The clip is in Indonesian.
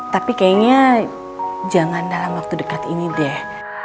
tapi kayaknya jangan dalam waktu dekat ini deh